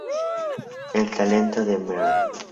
El talento de Mr.